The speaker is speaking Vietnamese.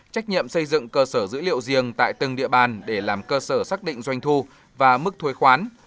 trách nhiệm xây dựng cơ sở dữ liệu riêng tại từng địa bàn để làm cơ sở xác định doanh thu và mức thuế khoán